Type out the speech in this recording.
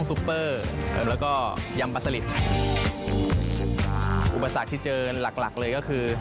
อุปสรรคที่เจอหลักเลยก็คือ